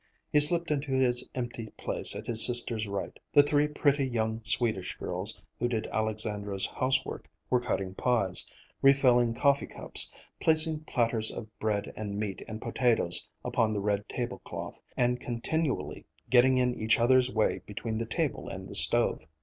He slipped into his empty place at his sister's right. The three pretty young Swedish girls who did Alexandra's housework were cutting pies, refilling coffeecups, placing platters of bread and meat and potatoes upon the red tablecloth, and continually getting in each other's way between the table and the stove.